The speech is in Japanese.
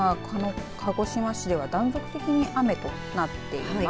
鹿児島市では断続的に雨となっています。